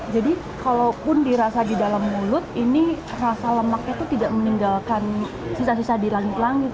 jadi kalaupun dirasa di dalam mulut ini rasa lemaknya tidak meninggalkan sisa sisa di langit langit